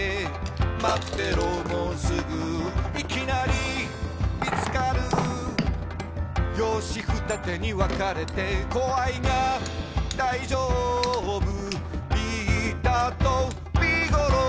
「まってろもうすぐ」「いきなり見つかる」「よーしふたてにわかれて」「怖いが大丈夫」「ビータとビーゴロー！」